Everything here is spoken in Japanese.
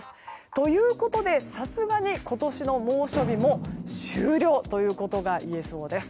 ということで、さすがに今年の猛暑日も終了ということがいえそうです。